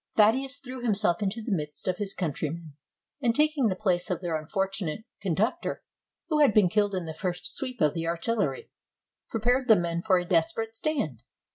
154 POLAND OR RUSSIA? Thaddeus threw himself into the midst of his country men, and taking the place of their unfortunate conduc tor, who had been killed in the first sweep of the artil lery, prepared the men for a desperate stand.